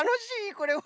これは！